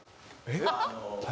えっ？